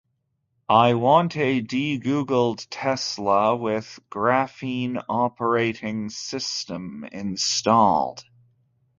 I want a "deGoogled" Tesla with Graphene Operating System installed.